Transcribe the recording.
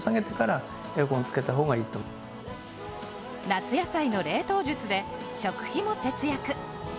夏野菜の冷凍術で食費も節約。